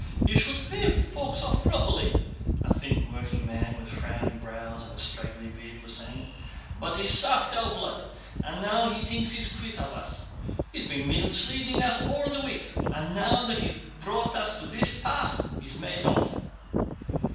"He should pay folks off properly," a thin workingman, with frowning brows and a straggly beard, was saying. "But he's sucked our blood and now he thinks he's quit of us. He's been misleading us all the week and now that he's brought us to this pass he's made off."